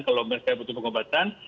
kalau mereka butuh pengobatan